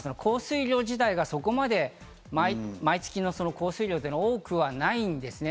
降水量自体がそこまで毎月の降水量というのは多くないんですね。